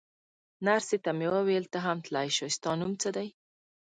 نرسې ته مې وویل: ته هم تلای شې، ستا نوم څه دی؟